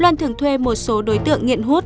loan thường thuê một số đối tượng nghiện hút